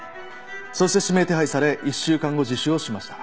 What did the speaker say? そして指名手配され１週間後自首をしました。